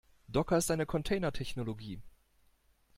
Docker ist eine Container-Technologie.